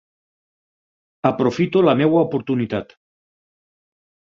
Aprofito la meva oportunitat.